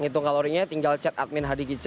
ngitung kalorinya tinggal chat admin hadee kitchen